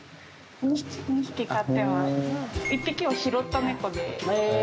１匹は拾った猫で。